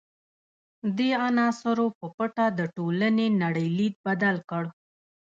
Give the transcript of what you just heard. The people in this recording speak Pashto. دې عناصرو په پټه د ټولنې نړۍ لید بدل کړ.